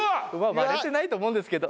割れてないと思うんですけど。